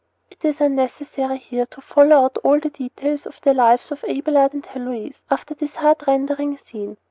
It is unnecessary here to follow out all the details of the lives of Abelard and Heloise after this heart rendering scene.